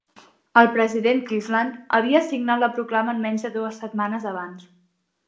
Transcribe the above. El president Cleveland havia signat la proclama en menys de dues setmanes abans.